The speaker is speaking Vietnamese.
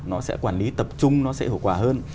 nó sẽ quản lý tập trung nó sẽ hiệu quả hơn